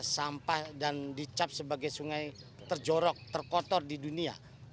sampah dan dicap sebagai sungai terjorok terkotor di dunia